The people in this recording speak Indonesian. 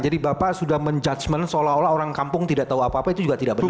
jadi bapak sudah menjudge seolah olah orang kampung tidak tahu apa apa itu juga tidak benar